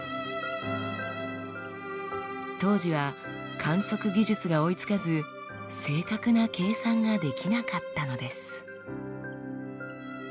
当時は観測技術が追いつかず正確な計算ができなかったのです。